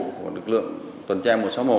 của lực lượng tuần tra một trăm sáu mươi một